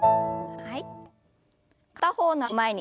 はい。